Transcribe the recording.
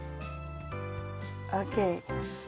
ＯＫ！